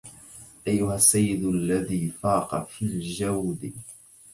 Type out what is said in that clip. أيها السيد الذي فاق في الجود